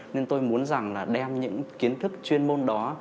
nên tôi muốn rằng là đem những kiến thức chuyên môn đó